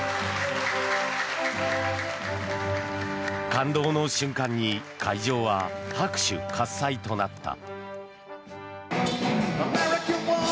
感動の瞬間に会場は拍手喝采となった。